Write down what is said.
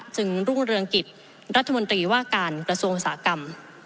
จึงรุ่งเรืองกิจรัฐมนตรีว่าการกระทรวงอุตสาหกรรม